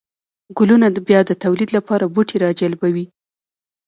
گلونه د بيا توليد لپاره بوټي راجلبوي